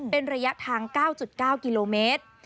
เป็นระยะทาง๙๙กิโลเมตร